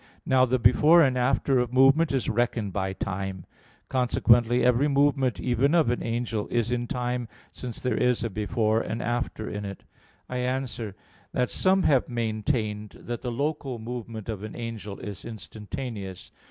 Now the before and after of movement is reckoned by time. Consequently every movement, even of an angel, is in time, since there is a before and after in it. I answer that, Some have maintained that the local movement of an angel is instantaneous.